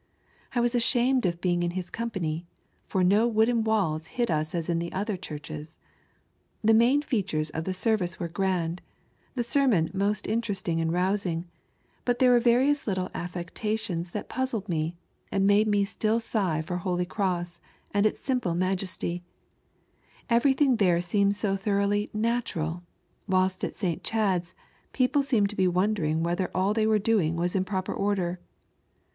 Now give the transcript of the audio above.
I was ashanied of being in his company, for no wooden walls hid U3 as in the other ChurelieB, The main features of the service were grand, the sermon most interesting* and rousing, but there were various little affectations that puzzled me and made ma stiU sigh for Holy Cross and its simple majesty ; everything there seemed so thoroughly )t(i(«r<(i, whilst at S. Chad's people seemed to be wondering whether all they were doing was in proper order.